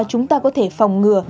chúng ta có thể phòng ngừa